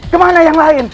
kemana yang lain